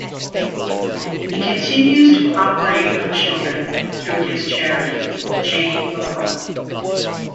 He continues to operate on children through his charity, Chain of Hope.